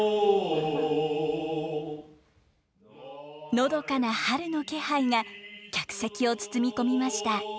のどかな春の気配が客席を包み込みました。